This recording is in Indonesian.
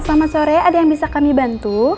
selamat sore ada yang bisa kami bantu